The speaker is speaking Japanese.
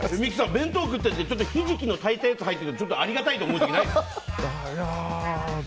弁当入っている時ひじきを炊いたやつ入ってたらちょっとありがたいと思う時ないですか？